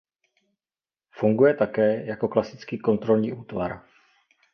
Funguje také jako klasický kontrolní útvar.